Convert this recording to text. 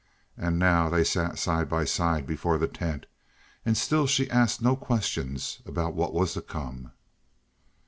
And now they sat side by side before the tent and still she asked no questions about what was to come.